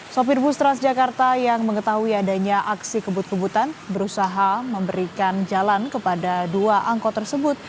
sopir bus transjakarta yang mengetahui adanya aksi kebut kebutan berusaha memberikan jalan kepada dua angkot tersebut